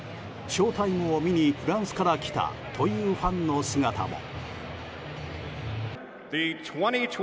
ショウタイムを見にフランスから来たというファンの姿も。